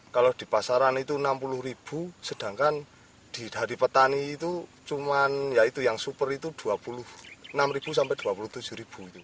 kalau di pasaran itu rp enam puluh sedangkan dari petani itu cuma ya itu yang super itu dua puluh enam sampai rp dua puluh tujuh